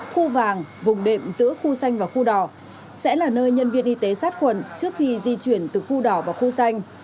khu vàng vùng đệm giữa khu xanh và khu đỏ sẽ là nơi nhân viên y tế sát quần trước khi di chuyển từ khu đỏ vào khu xanh